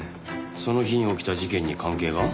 その日に起きた事件に関係が？